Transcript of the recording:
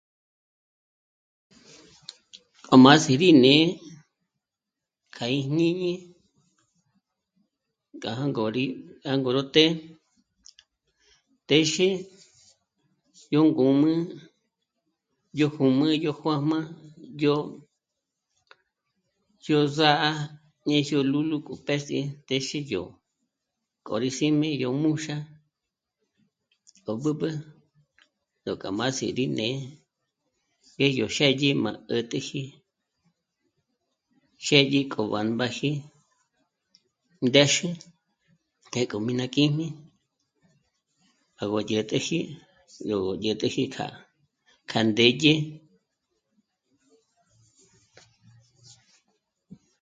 'a má sí'i rí né'e kja ìjñíñi gá jângo rí jângo ró të́'ë téxe yó ngǔm'ü, yó júm'ü, yó juā̂jmā, yó... yó zà'a, ñe yó lúlu k'o pés'i téxi yó k'o rí sí'i mí yó múxa ó b'ǚb'ü nuk'a má sí'i rí né'e ngéjyó xë́dyi má 'ä̀t'äji xë́dyi k'o b'ámbàji ndéxe të́'ë k'o mí ná kíjmi 'a gó dyä̀t'äji, nú dyä̀t'äji kja k'a ndédye